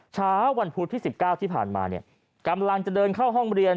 เช้าวันพุธที่๑๙ที่ผ่านมาเนี่ยกำลังจะเดินเข้าห้องเรียน